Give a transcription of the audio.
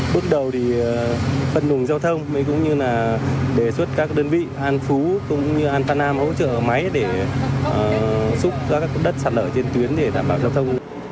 bước đầu thì phần nguồn giao thông cũng như là đề xuất các đơn vị an phú cũng như an phan nam hỗ trợ máy để xúc các đất sạt lở trên tuyến để đảm bảo giao thông